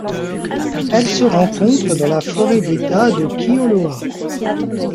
Elle se rencontre dans la forêt d'État de Kioloa.